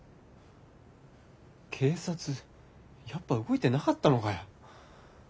警察やっぱ動いてなかったのかよ。